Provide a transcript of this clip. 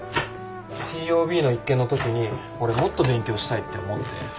ＴＯＢの一件のときに俺もっと勉強したいって思って。